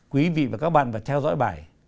quý vị và các bạn phải theo dõi bài